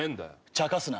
ちゃかすな。